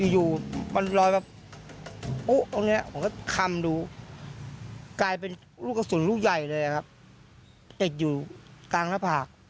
อยู่มันรอยแบบ